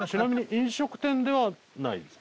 飲食店ではないです。